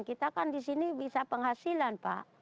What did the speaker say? kita kan di sini bisa penghasilan pak